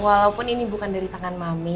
walaupun ini bukan dari tangan mami